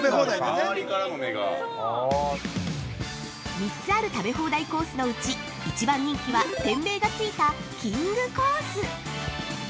◆３つある食べ放題コースのうち一番人気は、店名がついたきんぐコース。